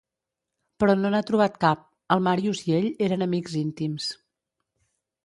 Però no n'ha trobat cap. El Màrius i ell eren amics íntims.